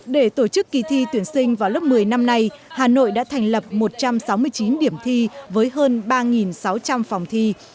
để tổ chức kỳ thi tuyển sinh vào lớp một mươi năm nay hà nội đã thành lập một trăm sáu mươi chín điểm thi với hơn ba sáu trăm linh phòng thi